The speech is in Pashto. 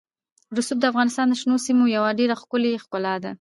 رسوب د افغانستان د شنو سیمو یوه ډېره ښکلې ښکلا ده.